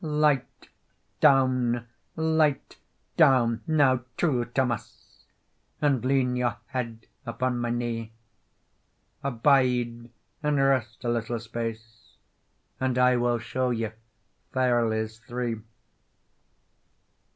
"Light down, light down, now, True Thomas, And lean your head upon my knee; Abide and rest a little space, And I will shew you ferlies three.